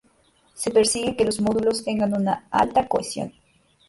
Se persigue que los módulos tengan una alta cohesión.